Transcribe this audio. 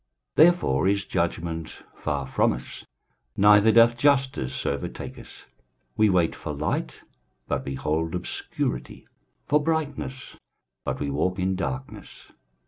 23:059:009 Therefore is judgment far from us, neither doth justice overtake us: we wait for light, but behold obscurity; for brightness, but we walk in darkness.